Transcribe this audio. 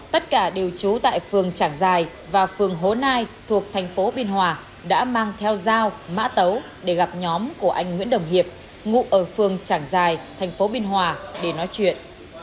tất cả đều trú tại phường trảng dài và phường hồ nai thuộc thành phố binh hòa đã mang theo dao mã tấu để gặp nhóm của anh nguyễn đồng hiệp ngụ ở phường trảng dài thành phố binh hòa để nói chuyện